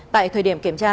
tại thời điểm kiểm tra